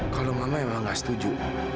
kalau mama emang nggak setuju